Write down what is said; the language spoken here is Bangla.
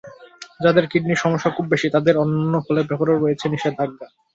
যাঁদের কিডনির সমস্যা খুব বেশি, তাঁদের অন্যান্য ফলের ব্যাপারেও রয়েছে নিষেধাজ্ঞা।